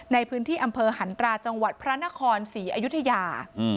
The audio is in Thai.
ในพื้นที่อำเภอหันตราจังหวัดพระนครศรีอยุธยา